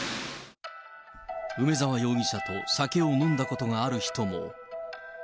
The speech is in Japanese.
梅沢容疑者と酒を飲んだことがある人も。